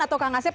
atau kang asep